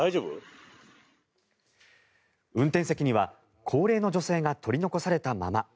運転席には高齢の女性が取り残されたまま。